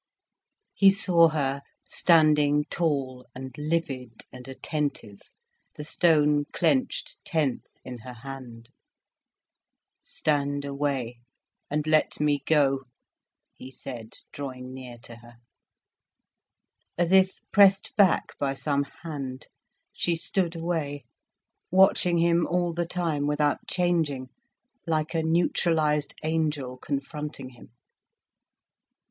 He saw her standing tall and livid and attentive, the stone clenched tense in her hand. "Stand away and let me go," he said, drawing near to her. As if pressed back by some hand, she stood away, watching him all the time without changing, like a neutralised angel confronting him.